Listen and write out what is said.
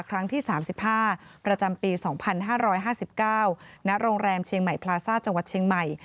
ครั้งที่๓๕ประจำปี๒๕๕๙ณโรงแรมเชียงใหม่พลาซ่าจังหวัดเชียงใหม่